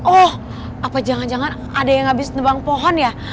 oh apa jangan jangan ada yang habis nebang pohon ya